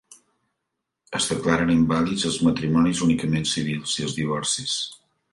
Es declaren invàlids els matrimonis únicament civils, i els divorcis.